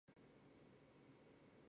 县政府驻龙城镇。